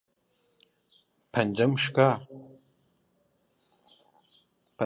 پەنجەم شکا.